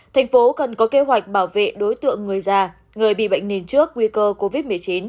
thành phố cần có kế hoạch bảo vệ đối tượng người già người bị bệnh nền trước nguy cơ covid một mươi chín